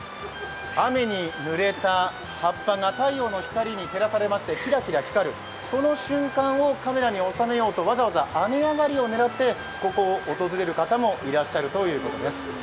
雨に濡れた葉っぱが太陽の光に照らされましてキラキラ光るその瞬間をカメラに収めようと、わざわざ雨上がりを狙ってここを訪れる方もいらっしゃるということです。